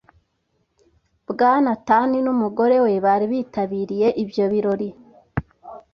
Bwana Tani n'umugore we bari bitabiriye ibyo birori.